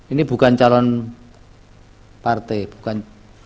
ini bukan calon partai bukan